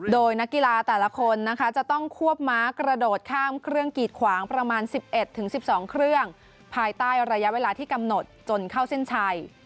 โดยนักกีฬาแต่ละคนนะคะจะต้องควบม้ากระโดดข้ามเครื่องกีดขวางประมาณ๑๑๑๒เครื่องภายใต้ระยะเวลาที่กำหนดจนเข้าเส้นชัย